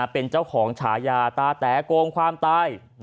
เป็นเจ้าของฉายาตาแต๋โกงความตาย